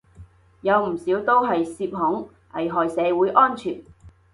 有唔少都係涉恐，危害社會安全